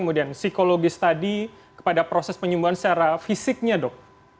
psikologis tadi kepada proses penyembuhan secara fisiknya dok